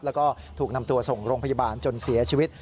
แล้วก็ถูกนำตัวส่งโรงพยาบาลจนเสียชีวิต